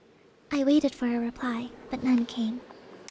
I waited for a reply but none came.